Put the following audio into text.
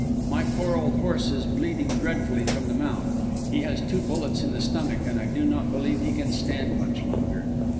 My poor old horse is bleeding dreadfully from the mouth. He has two bullets in the stomach, and I do not believe he can stand much longer.